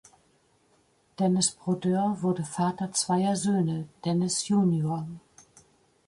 Denis Brodeur wurde Vater zweier Söhne, Denis jr.